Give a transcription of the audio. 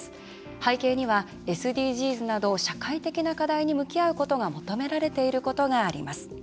背景には、ＳＤＧｓなど社会的な課題に向き合うことが求められていることがあります。